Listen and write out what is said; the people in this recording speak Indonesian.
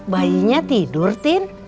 bayinya tidur tin